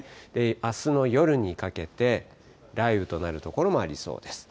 あすの夜にかけて雷雨となる所もありそうです。